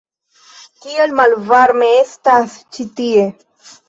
Kiel malvarme estas ĉi tie!